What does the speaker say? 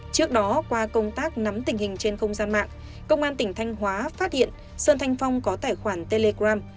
trước đó qua công tác nắm tình hình trên không gian mạng công an tỉnh thanh hóa phát hiện sơn thanh phong có tài khoản telegram